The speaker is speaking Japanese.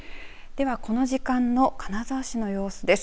では、この時間の金沢市の様子です。